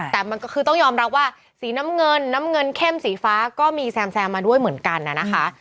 แต่มันก็คือต้องยอมรับว่าสีน้ำเงินน้ำเงินเข้มสีฟ้าก็มีแซมมาด้วยเหมือนกันนะคะ